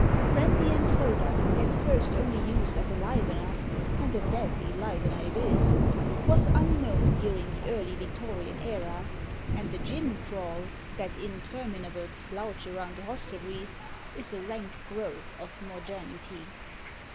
"Brandy and soda," at first only used as a "livener" and a deadly livener it is was unknown during the early Victorian era; and the "gin crawl," that interminable slouch around the hostelries, is a rank growth of modernity.